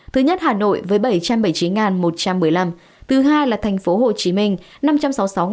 thứ nhất hà nội với bảy trăm bảy mươi chín một trăm một mươi năm thứ hai là thành phố hồ chí minh năm trăm sáu mươi sáu năm trăm một mươi năm